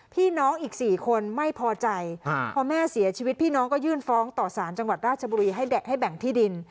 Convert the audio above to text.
พี่น้องอีก๔คนไม่พอใจพอแม่เสียชีวิตพี่น้องก็ยื่นฟ้องต่อสารจังหวัดราชบุรีให้แบ่งที่ดิน